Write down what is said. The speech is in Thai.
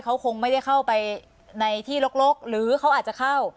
เขาคงไม่ได้เข้าไปในที่ลกหรือเขาอาจจะเข้า